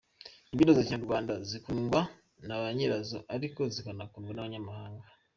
Imbyino za kinyarwanda zikundwa na banyirazo ariko zikanakundwa n’abanyamahanga.